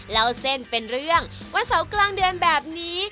เล่าเส้นเป็นเรื่องวันเสาร์กลางเดือนแบบนี้